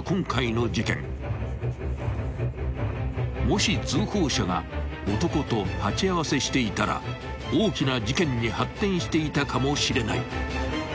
［もし通報者が男と鉢合わせしていたら大きな事件に発展していたかもしれない］